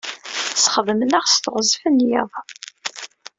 Sxedmen-aɣ s teɣzef n yiḍ.